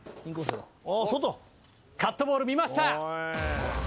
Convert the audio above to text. カットボール見ました。